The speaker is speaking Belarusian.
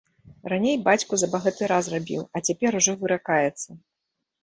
Раней бацьку за багатыра зрабіў, а цяпер ужо выракаецца.